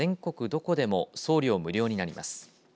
どこでも送料無料になります。